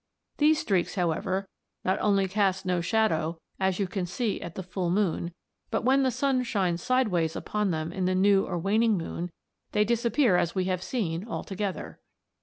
These streaks, however, not only cast no shadow, as you can see at the full moon but when the sun shines sideways upon them in the new or waning moon they disappear as we have seen altogether.